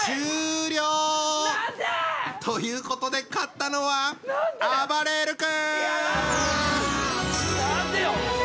何で！ということで勝ったのはあばれる君！